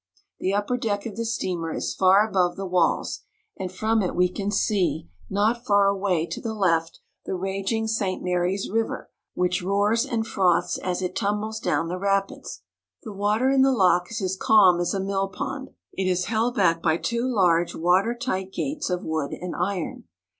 The upper deck of the steamer is far above the walls, and from it we can see, not far away to the left, the raging St. Marys River, which roars and froths as it tumbles down the rapids. The water in the lock is as calm as a mill pond. It is held back by two large, water tight gates of wood and iron.